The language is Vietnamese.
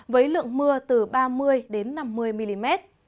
với lượng mưa từ ba mươi năm mươi mm